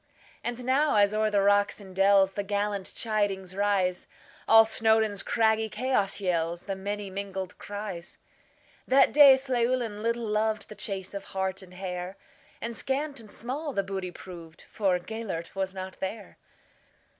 And now, as o'er the rocks and dellsThe gallant chidings rise, All Snowdon's craggy chaos yellsThe many mingled cries! That day Llewelyn little lovedThe chase of hart and hare; And scant and small the booty proved, For Gêlert was not there.